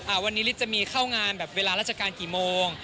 วันนี้ฤทธิ์จะมีเข้างานแบบเวลาราชการกี่โมง